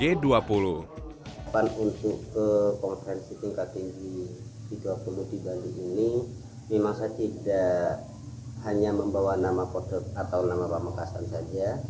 untuk penggunaan ketinggian kttg dua puluh di bali ini memang saya tidak hanya membawa nama podek atau nama pamakasan saja